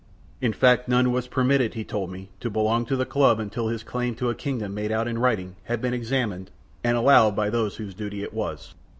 In fact none was permitted, he told me, to belong to the club until his claim to a kingdom made out in writing had been examined and allowed by those whose duty it was.